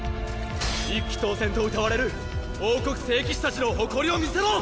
一騎当千とうたわれる王国聖騎士たちの誇りを見せろ！